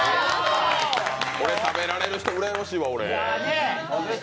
これ食べられる人うらやましいわ、俺。